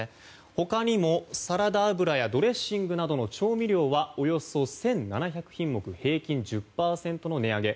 他にもサラダ油やドレッシングなどの調味料はおよそ１７００品目平均１０％の値上げ。